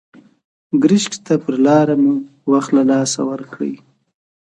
ګرشک ته پر لاره مو وخت له لاسه ورکړی.